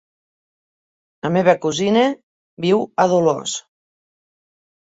La meva cosina viu a Dolors.